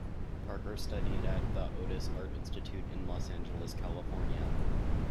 Parker studied at the Otis Art Institute in Los Angeles, California.